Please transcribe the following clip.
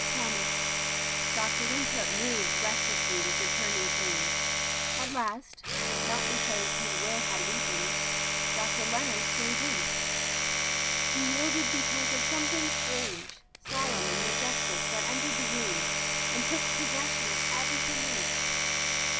"Promise." Dr. Winthrop moved rest lessly with returning pain. At last, but not because his will had weak ened. Dr. Leonard gave in. He yielded be cause of something strange, solemn, and majestic that entered the room and took possession of everything in it.